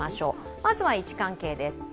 まずは位置関係です。